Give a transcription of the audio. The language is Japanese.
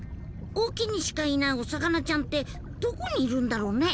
隠岐にしかいないお魚ちゃんってどこにいるんだろうね？